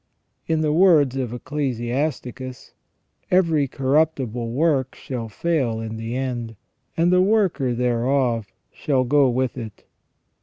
In the words of Ecclesiasticus :" Every corruptible work shall fail in the end, and the worker thereof shall go with it".